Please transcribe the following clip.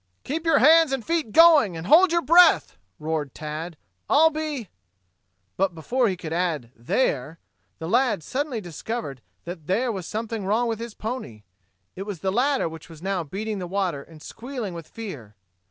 "Keep your hands and feet going, and hold your breath!" roared Tad. "I'll be " Before he could add "there," the lad suddenly discovered that there was something wrong with his pony. It was the latter which was now beating the water and squealing with fear.